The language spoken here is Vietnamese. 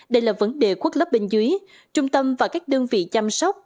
đây là vấn đề quốc lớp bên dưới trung tâm và các đơn vị chăm sóc